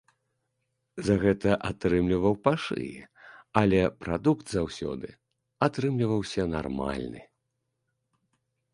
За гэта атрымліваў па шыі, але прадукт заўсёды атрымліваўся нармальны.